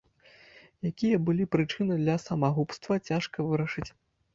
Якія былі прычыны для самагубства, цяжка вырашыць.